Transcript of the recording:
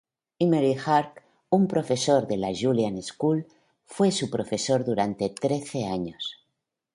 Emery Hack, un profesor de la Juilliard School, fue su profesor durante trece años.